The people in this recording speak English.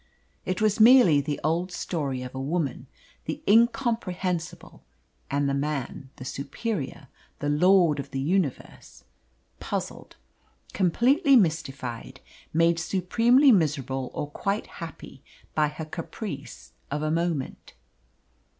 It was merely the old story of woman the incomprehensible, and man the superior the lord of the universe puzzled, completely mystified, made supremely miserable or quite happy by her caprice of a moment.